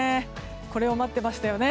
これを待ってましたよね。